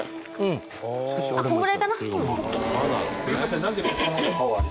このぐらいかな。